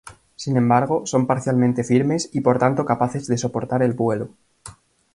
Sin embargo, son parcialmente firmes y por tanto capaces de soportar el vuelo.